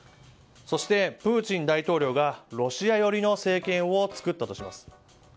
そしてプーチン大統領がロシア寄りの政権を作ったとします。